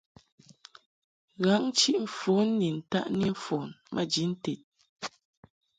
Ghǎŋ-chiʼ-mfon ni ntaʼni mfon maji nted.